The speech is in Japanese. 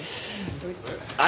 あれ？